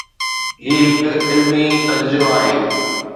هي هڪ علمي تجزيو آهي.